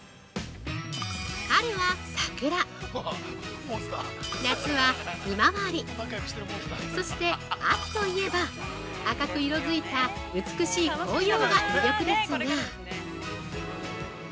春は桜、夏はひまわりそして秋といえば、赤く色づいた美しい紅葉が魅力ですが。